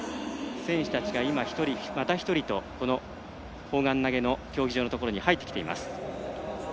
選手たちが１人、また１人と砲丸投げの競技場のところに入ってきています。